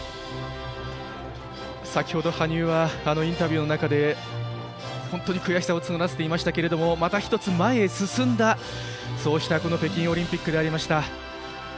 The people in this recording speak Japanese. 先ほど、羽生はインタビューの中で本当に悔しさを募らせていましたがまた１つ前へ進んだ北京オリンピックでした。